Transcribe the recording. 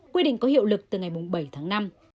quy định có hiệu lực từ ngày bảy tháng năm